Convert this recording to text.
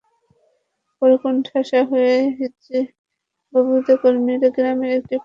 পরে কোণঠাসা হয়ে হিজবুতের কর্মীরা গ্রামের একটি ফাঁকা ভবনে আশ্রয় নেন।